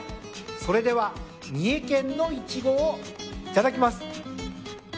それでは三重県のイチゴをいただきます。